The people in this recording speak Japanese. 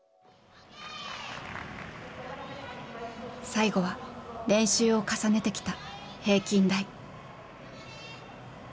最後は練習を重ねてきた平均台。